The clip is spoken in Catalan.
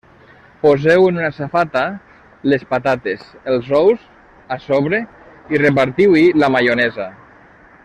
Poseu en una safata les patates, els ous a sobre, i repartiu-hi la maionesa.